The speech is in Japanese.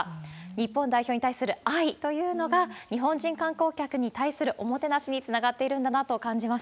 日本代表に対する愛というのが、日本人観光客に対するおもてなしにつながっているんだなと感じま